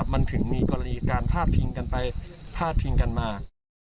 มันถึงมีกรณีการพาดพิงกันไปพาดพิงกันมา